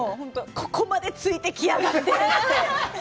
ここまでついてきやがってって。